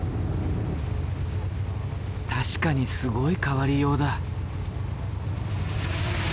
確かにすごい変わりようだ。